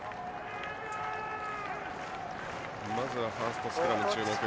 まずファーストスクラム注目。